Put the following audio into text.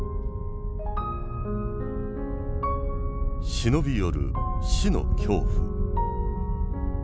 忍び寄る死の恐怖。